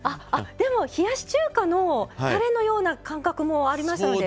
でも、冷やし中華のたれのような感覚もありましたので。